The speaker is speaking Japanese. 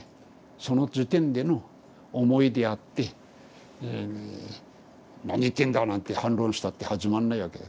その時点での思いであって「何言ってんだ」なんて反論したって始まんないわけだ。